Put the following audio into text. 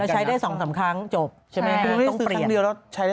แล้วใช้ได้สองสามครั้งจบใช่ไหม